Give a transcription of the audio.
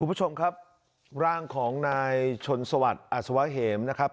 คุณผู้ชมครับร่างของนายชนสวัสดิ์อัศวะเหมนะครับ